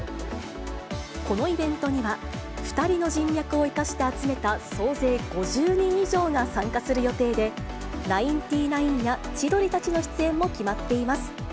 このイベントには２人の人脈を生かして集めた総勢５０人以上が参加する予定で、ナインティナインや千鳥たちの出演も決まっています。